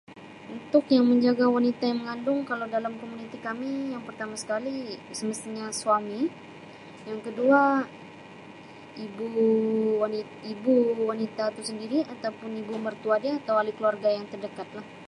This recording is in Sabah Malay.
Untuk yang menjaga wanita yang mengandung kalau dalam komuniti kami yang pertama sekali semestinya suami yang kedua ibu wani ibu wanita tu sendiri ataupun ibu mertua dia atau ahli keluarga yang terdekat lah.